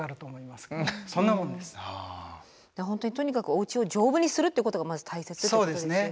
本当にとにかくおうちを丈夫にするということがまず大切ってことですよね。